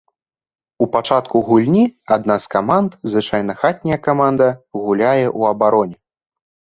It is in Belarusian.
У пачатку гульні адна з каманд, звычайна хатняя каманда, гуляе ў абароне.